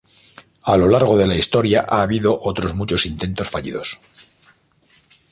A lo largo de la historia ha habido otros muchos intentos fallidos.